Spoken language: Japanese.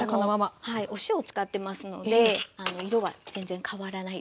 お塩を使ってますので色は全然変わらないですね。